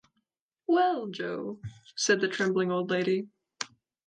‘Well, Joe,’ said the trembling old lady.